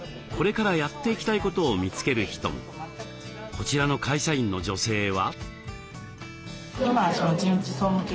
こちらの会社員の女性は？